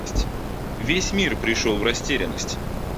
Весь мир пришел в растерянность.